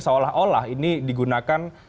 seolah olah ini digunakan